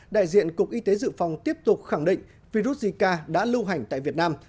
đại diện cục y tế dự phòng tiếp tục khẳng định virus zika đã lưu hành tại việt nam